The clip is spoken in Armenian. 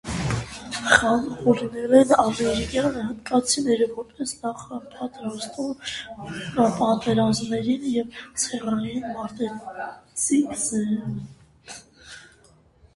Խաղը հորինել են ամերիկյան հնդկացիները՝ որպես նախապատրաստում պատերազմներին և ցեղային մարտերին։